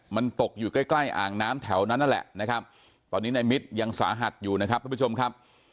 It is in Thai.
มันตกอยู่ใกล้ใกล้อ่างน้ำแถวนั้นนั่นแหละนะครับตอนนี้ในมิตรยังสาหัสอยู่นะครับทุกผู้ชมครับ